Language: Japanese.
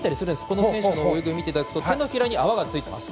この選手の泳ぎを見ていただくと手のひらに泡がついています。